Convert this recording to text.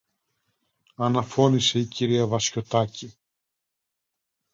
αναφώνησε η κυρία Βασιωτάκη